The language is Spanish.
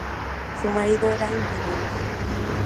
Su marido era invidente.